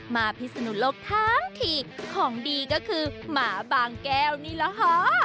มาพิสนุนโลกท้าที่ของดีก็คือหมาบางแก้วนี่ล่ะฮะ